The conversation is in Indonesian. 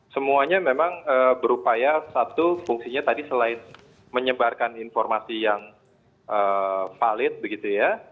semuanya memang berupaya satu fungsinya tadi selain menyebarkan informasi yang valid begitu ya